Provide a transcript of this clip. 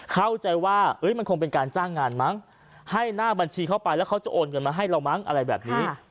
เข้าใจว่ามันคงเป็นการจ้างงานมั้งให้หน้าบัญชีเข้าไปแล้วเขาจะโอนเงินมาให้เรามั้งอะไรแบบนี้